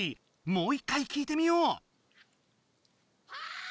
もう一回聞いてみよう！